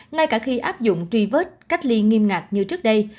ngay cả khi áp dụng tri vết cách ly nghiêm ngạc như trước đây